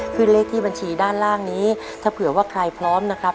เลขที่บัญชีด้านล่างนี้ถ้าเผื่อว่าใครพร้อมนะครับ